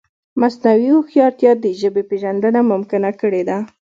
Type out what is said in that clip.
مصنوعي هوښیارتیا د ژبې پېژندنه ممکنه کړې ده.